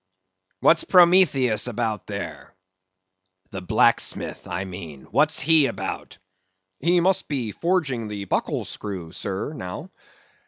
What's Prometheus about there?—the blacksmith, I mean—what's he about? He must be forging the buckle screw, sir, now.